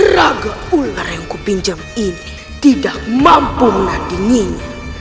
raga ular yang kupinjam ini tidak mampu menandinginya